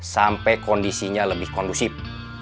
sampai kondisinya lebih kondusif